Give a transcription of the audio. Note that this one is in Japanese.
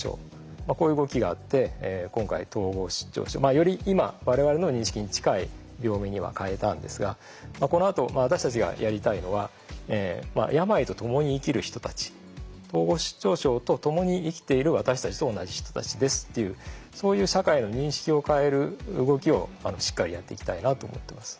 まあこういう動きがあって今回統合失調症。より今我々の認識に近い病名には変えたんですがこのあと私たちがやりたいのは病と共に生きる人たち統合失調症と共に生きている私たちと同じ人たちですっていうそういう社会の認識を変える動きをしっかりやっていきたいなと思ってます。